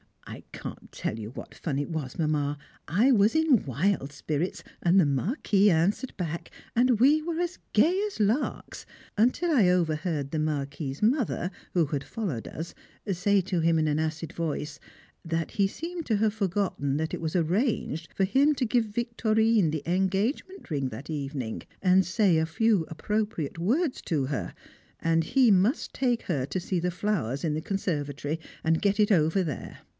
_ I can't tell you what fun it was, Mamma. I was in wild spirits, and the Marquis answered back, and we were as gay as larks, until I overheard the Marquis's mother, who had followed us, say to him, in an acid voice, that he seemed to have forgotten that it was arranged for him to give Victorine the engagement ring that evening and say a few appropriate words to her, and he must take her to see the flowers in the conservatory, and get it over there.